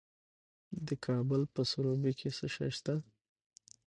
د کابل په سروبي کې څه شی شته؟